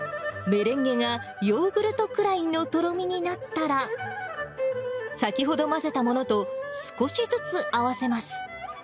メレンゲがヨーグルトくらいのとろみになったら、先ほど混ぜたものと、少しずつ合わせます。